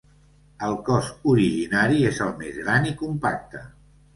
El cos originari és el més gran i compacte.